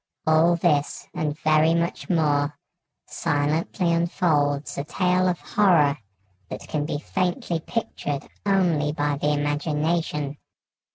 All this, and very much more, silently unfolds a tale of horror that can be faintly pictured only by the imagination.